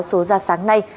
số ra sáng nay